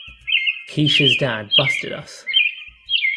Keish's dad busted us.